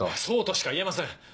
そうとしか言えません。